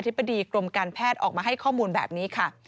บดีกรมการแพทย์ออกมาให้ข้อมูลแบบนี้ค่ะ